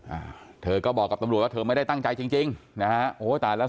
อ่าเธอก็บอกกับตำรวจว่าเธอไม่ได้ตั้งใจจริงจริงนะฮะโอ้ตายแล้ว